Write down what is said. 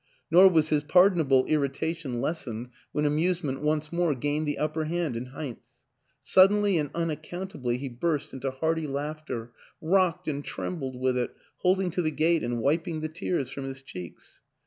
Nor was his pardonable irritation les sened when amusement once more gained the upper hand in Heinz. Suddenly and unaccount ably he burst into hearty laughter rocked and trembled with it, holding to the gate and wiping the tears from his cheeks.